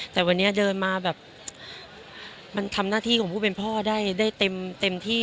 แต่วันนี้เดินมาแบบมันทำหน้าที่ของผู้เป็นพ่อได้เต็มที่